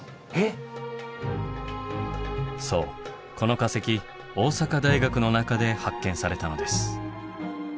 そうこの化石大阪大学の中で発見されたのです。